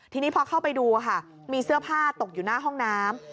ทีนี้พอเข้าไปดูค่ะมีเสื้อผ้าตกอยู่หน้าห้องน้ำ